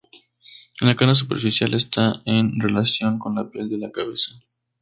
La cara superficial está en relación con la piel de la cabeza.